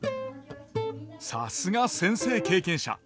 さすが先生経験者。